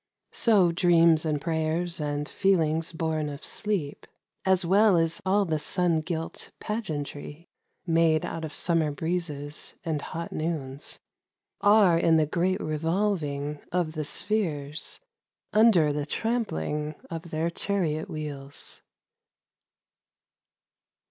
So dreams and prayers and feelings bom of sleep As well OS till the sun gilt pageantry Made out of summer breezes and hot noons. Are in the great revolving of the spheres Under the trampling of their chariot wheels.